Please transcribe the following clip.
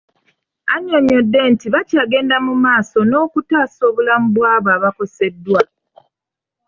Annyonnyodde nti bakyagenda mu maaso n'okutaasa obulamu bw'abo abakoseddwa .